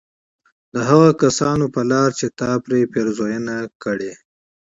د هغو كسانو په لار چي تا پرې پېرزوينه كړې